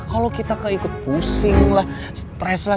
kalo kita kek ikut pusing lah stress lah